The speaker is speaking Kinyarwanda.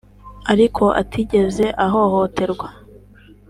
ariko atigeze ahohoterwa